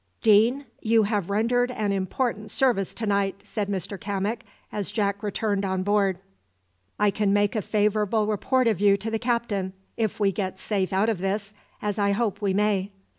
"Deane, you have rendered an important service to night," said Mr Cammock, as Jack returned on board. "I can make a favourable report of you to the captain, if we get safe out of this, as I hope we may."